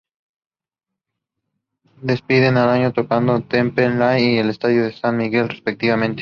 Despiden el año tocando en Temperley y en el estadio de San Miguel, respectivamente.